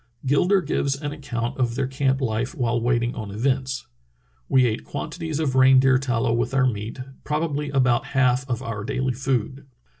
Gilder gives an account of their camp life while wait ing on events. "We ate quantities of reindeer tallow with our meat, probabl} about half of our daily food.